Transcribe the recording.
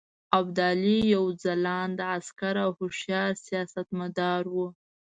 ابدالي یو ځلانده عسکر او هوښیار سیاستمدار وو.